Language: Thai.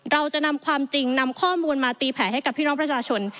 เราจะนำความจริงนำข้อมูลมาตีแผลให้กับพี่น้องประชาชน